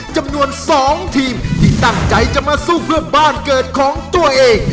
จำนวน๒ทีมที่ตั้งใจจะมาสู้เพื่อบ้านเกิดของตัวเอง